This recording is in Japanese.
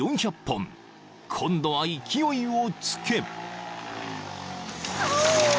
［今度は勢いを付け］